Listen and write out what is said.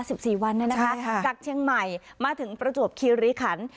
สิบสี่วันเนี่ยนะคะจากเชียงใหม่มาถึงประจวบคีริขัน